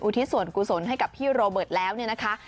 อุทิศสวรรคุสวนให้กับพี่โรเบิร์ตแล้วนะคะ